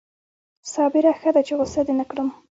صابره ښه ده چې غصه دې نه کړم